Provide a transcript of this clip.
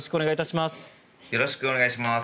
よろしくお願いします。